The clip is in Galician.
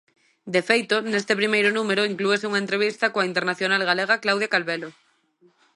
De feito, neste primeiro número inclúese unha entrevista coa internacional galega Claudia Calvelo.